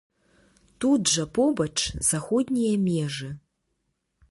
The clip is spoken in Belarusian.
Тут жа побач заходнія межы.